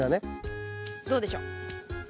どうでしょう？